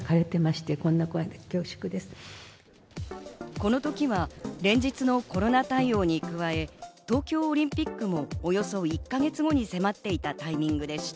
この時は連日のコロナ対応に加え、東京オリンピックもおよそ１か月後に迫っていたタイミングでした。